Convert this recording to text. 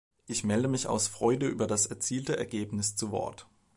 Ich melde mich aus Freude über das erzielte Ergebnis zu Wort.